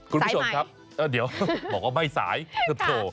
คุณผู้ชมครับแล้วเดี๋ยวบอกว่าไม่สายจะโทร